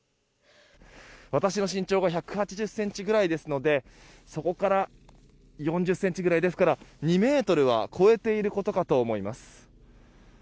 私の身長が１８０ｃｍぐらいですのでそこから４０ｃｍぐらいですから、２ｍは超えていることかと思います。